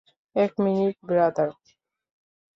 এক minute brother.